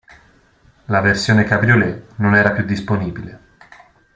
La versione cabriolet non era più disponibile.